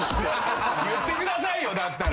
言ってくださいよだったら。